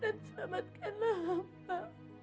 dan selamatkanlah hamba